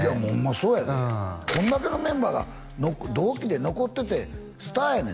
そうやでこんだけのメンバーが同期で残っててスターやね